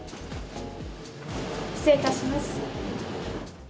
失礼いたします。